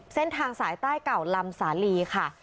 เส้นทางสายใต้เก่าลำสาลีค่ะ